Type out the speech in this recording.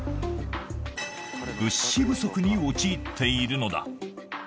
物資不足に陥っているのだ。